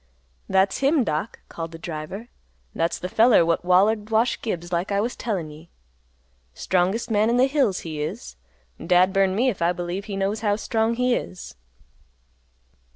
"That's him, Doc," called the driver. "That's the feller what wallered Wash Gibbs like I was a tellin' ye. Strongest man in the hills he is. Dad burn me if I believe he knows how strong he is."